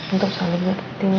untuk selalu ngerti selalu memahami